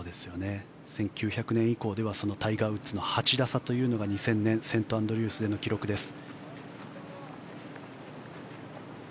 １９００年以降ではタイガー・ウッズの８打差というのが２０００年のセントアンドリュースでの記録です。